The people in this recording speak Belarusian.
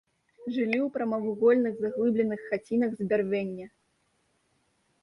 Жылі ў прамавугольных заглыбленых хацінах з бярвення.